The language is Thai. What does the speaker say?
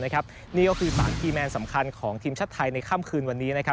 นี่ก็คือ๓คีแมนสำคัญของทีมชาติไทยในค่ำคืนวันนี้